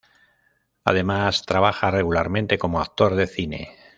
Además, trabaja regularmente como actor de cine.